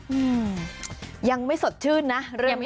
อืมยังไม่สดชื่นนะเรื่องนี้